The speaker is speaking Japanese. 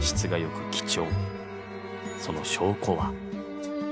その証拠は。